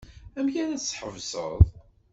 Amek ara tt-tḥebseḍ?